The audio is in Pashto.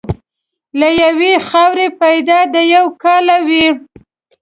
له یوې خاورې پیدا د یوه کاله وې.